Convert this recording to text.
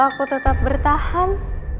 aku tetap bertahan